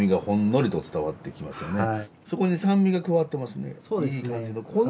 そこに酸味が加わってますねいい感じの。